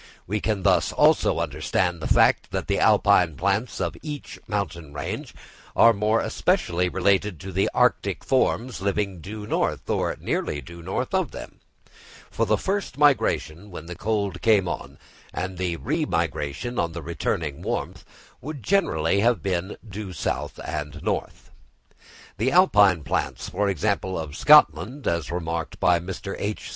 We can thus also understand the fact that the Alpine plants of each mountain range are more especially related to the arctic forms living due north or nearly due north of them: for the first migration when the cold came on, and the re migration on the returning warmth, would generally have been due south and north. The Alpine plants, for example, of Scotland, as remarked by Mr. H.